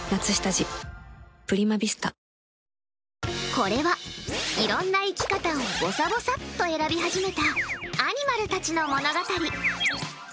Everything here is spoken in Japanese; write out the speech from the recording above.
これは、いろんな生き方をぼさぼさっと選び始めたアニマルたちの物語。